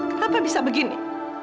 kenapa bisa begini